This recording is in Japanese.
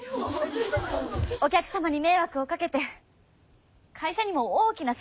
お客様に迷惑をかけて会社にも大きな損害を与えた。